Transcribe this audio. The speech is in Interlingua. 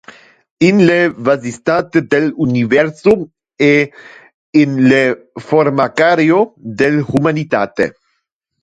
In le vastitate del universo e in le “formicario” del humanitate.